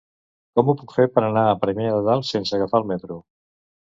Com ho puc fer per anar a Premià de Dalt sense agafar el metro?